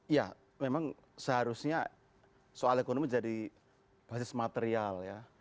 ya memang seharusnya soal ekonomi jadi basis material ya